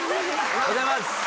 おはようございます！